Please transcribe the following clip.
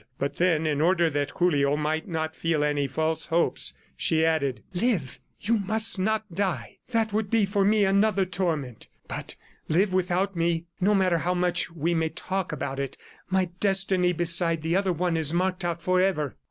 But then, in order that Julio might not feel any false hopes, she added: "Live; you must not die; that would be for me another torment. ... But live without me. No matter how much we may talk about it, my destiny beside the other one is marked out forever."